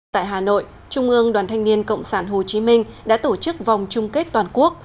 tại hà nội trung ương đoàn thanh niên cộng sản hồ chí minh đã tổ chức vòng chung kết toàn quốc